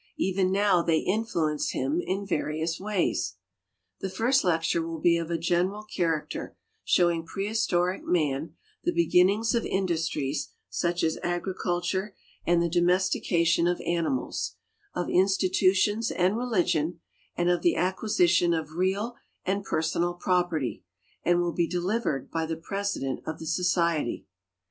Even now . they influence him in various ways. The first lecture will be of a general character, showing prehistoric man, the beginnings of industries (such as agriculture and the domestica tion of animals), of institutions and religion, and of the acquisition of real and personal pi operty, and will be delivered by the President of the Society.